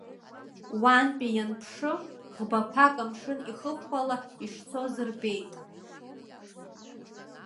Уантәи ианԥшы, ӷбақәак амшын ихыхәхәала ишцоз рбеит.